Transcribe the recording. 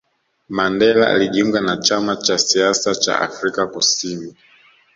mandela alijiunga na chama cha siasa chaaAfrican kusini